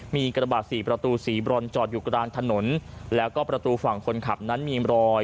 มีกระบาดสี่ประตูสีบรอนจอดอยู่กลางถนนแล้วก็ประตูฝั่งคนขับนั้นมีรอย